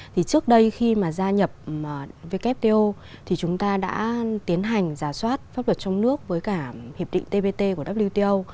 thì trước đây khi mà gia nhập wto thì chúng ta đã tiến hành giả soát pháp luật trong nước với cả hiệp định tbt của wto